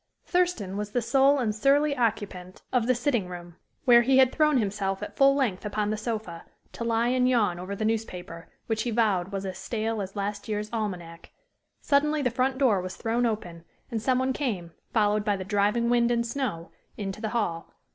Thurston was the sole and surly occupant of the sitting room, where he had thrown himself at full length upon the sofa, to lie and yawn over the newspaper, which he vowed was as stale as last year's almanac. Suddenly the front door was thrown open, and some one came, followed by the driving wind and snow, into the hall.